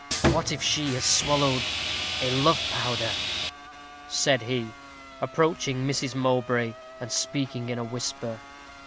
"What if she has swallowed a love powder?" said he, approaching Mrs. Mowbray, and speaking in a whisper.